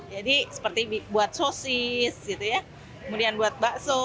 jadi seperti buat sosis gitu ya kemudian buat bakso